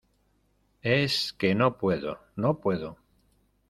es que no puedo. no puedo .